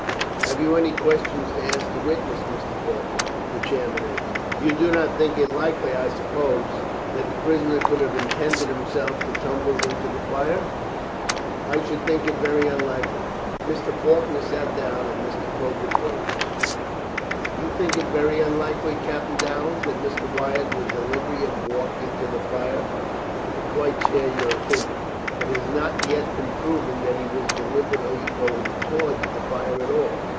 "Have you any questions to ask the witness, Mr. Faulkner?" the chairman asked. "You do not think it likely, I suppose, that the prisoner could have intended himself to tumble into the fire?" "I should think it very unlikely." Mr. Faulkner sat down, and Mr. Probert rose. "You think it very unlikely, Captain Downes, that Mr. Wyatt would deliberately have walked into the fire, and I quite share your opinion; but it has not yet been proved that he was deliberately going towards the fire at all.